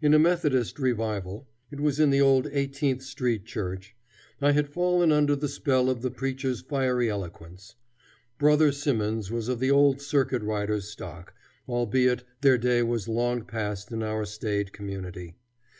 In a Methodist revival it was in the old Eighteenth Street Church I had fallen under the spell of the preacher's fiery eloquence. Brother Simmons was of the old circuit riders' stock, albeit their day was long past in our staid community.